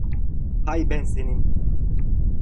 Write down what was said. Hay ben senin!